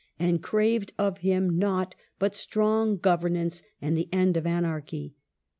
and craved of him nought but " strong governance " and the end of anarchy.